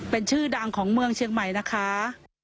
เป็นชื่อดังของเมืองเชียงใหม่นะคะ